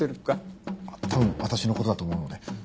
多分私の事だと思うので。